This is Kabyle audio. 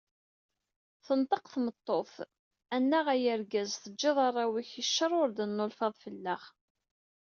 Tenṭeq tmeṭṭut-is: “Annaɣ a argaz, teğğiḍ arraw-ik i cce ur d-tennulfaḍ fell-aɣ."